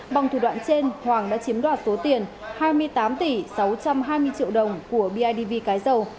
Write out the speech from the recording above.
bằng thủ đoạn trên hoàng đã chiếm đoạt số tiền hai mươi tám tỷ sáu trăm hai mươi triệu đồng của bidv cái dầu